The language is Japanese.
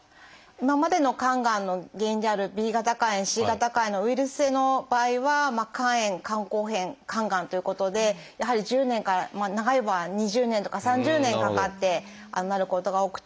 今までの肝がんの原因であるＢ型肝炎Ｃ型肝炎のウイルス性の場合は肝炎肝硬変肝がんということでやはり１０年からまあ長い場合は２０年とか３０年かかってなることが多くて。